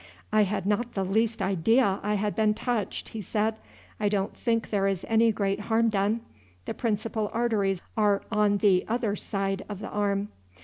"I had not the least idea I had been touched," he said. "I don't think there is any great harm done; the principal arteries are on the other side of the arm."